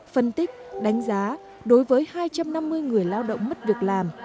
phân tích đánh giá đối với hai trăm năm mươi người lao động mất việc làm